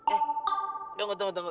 eh tunggu tunggu tunggu